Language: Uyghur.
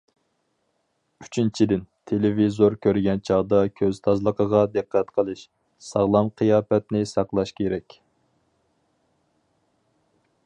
ئۈچىنچىدىن، تېلېۋىزور كۆرگەن چاغدا كۆز تازىلىقىغا دىققەت قىلىش، ساغلام قىياپەتنى ساقلاش كېرەك.